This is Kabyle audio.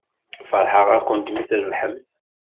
Feṛḥeɣ-akent mi trebḥemt.